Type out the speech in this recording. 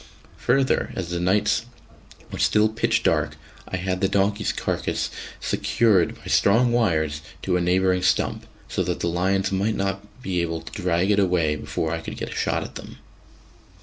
Further, as the nights were still pitch dark, I had the donkey's carcase secured by strong wires to a neighbouring stump, so that the lions might not be able to drag it away before I could get a shot at them.